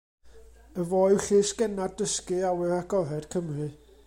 Y fo yw llysgennad dysgu awyr agored Cymru.